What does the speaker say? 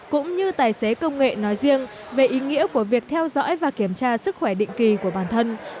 cũng như tài xế công nghệ nói riêng về ý nghĩa của việc theo dõi và kiểm tra sức khỏe định kỳ của bản thân